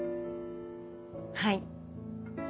はい。